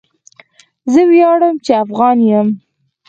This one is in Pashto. زه ویاړم چې افغان یم.